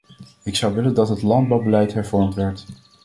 Ik zou willen dat het landbouwbeleid hervormd werd.